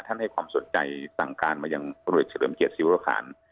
ท่านให้ความสนใจต่างการมาจากโรยชื่อเริมเกียจสิพธิ์โรคาร